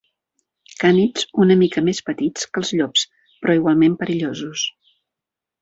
Cànids una mica més petits que els llops, però igualment perillosos.